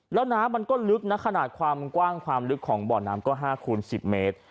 แล้วน้ำมันก็ลึกนะขนาดความกว้างความลึกของบ่อน้ำก็๕คูณ๑๐เมตร